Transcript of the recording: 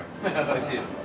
おいしいですか？